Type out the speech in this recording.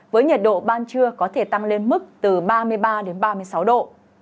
với nhiệt độ ban trưa có thể tăng lên mức từ ba mươi ba đến ba mươi sáu độ